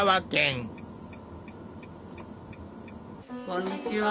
こんにちは。